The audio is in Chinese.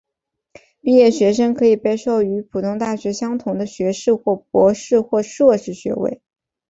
毕业学生可以被授予与普通大学相同的学士或硕士或博士学位。